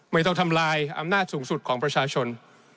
ไม่ต้องทำลายอำนาจสูงสุดของประชาชน